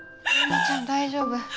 桃ちゃん大丈夫？